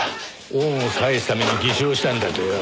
恩を返すために偽証したんだとよ。